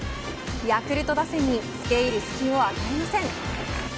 ヤクルト打線につけ入る隙を与えません。